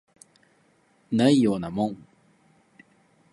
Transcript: ないようなもん